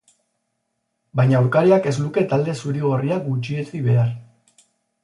Baina aurkariak ez luke talde zuri-gorria gutxietsi behar.